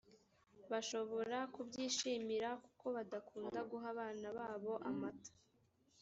bashobora kubyishimira kuko badakunda guha abana babo amata